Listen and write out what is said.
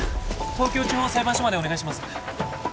東京地方裁判所までお願いします。